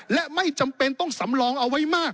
และไม่จำเป็นต้องสำรองเอาไว้มาก